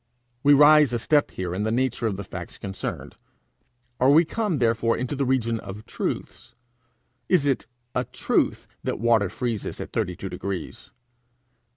We rise a step here in the nature of the facts concerned: are we come therefore into the region of truths? Is it a truth that water freezes at thirty two degrees?